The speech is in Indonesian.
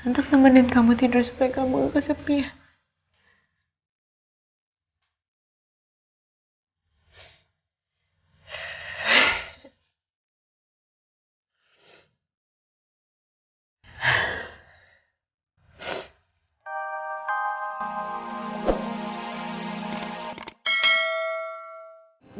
untuk nemanin kamu tidur supaya kamu gak kesepian